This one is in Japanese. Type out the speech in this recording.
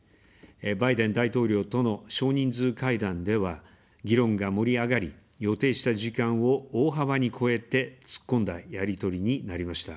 バイデン大統領との少人数会談では、議論が盛り上がり、予定した時間を大幅に超えて、突っ込んだやり取りになりました。